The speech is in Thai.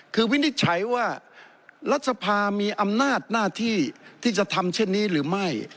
คือวินิจฉัยว่ารัฐสภามีอำนาจหน้าที่ที่จะทำเช่นนี้หรือไม่